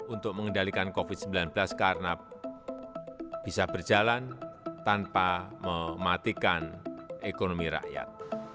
untuk mengendalikan covid sembilan belas karena bisa berjalan tanpa mematikan ekonomi rakyat